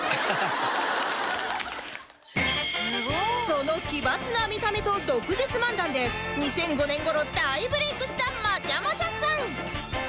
その奇抜な見た目と毒舌漫談で２００５年頃大ブレイクしたまちゃまちゃさん